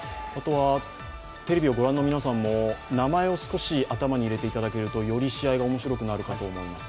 テレビをご覧の皆さんも名前を少し入れていただけるとより試合が面白くなるかと思います。